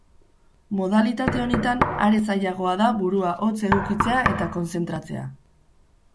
Modalitate honetan are zailagoa da burua hotz edukitzea eta kontzentratzea.